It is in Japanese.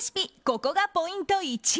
ここがポイント１。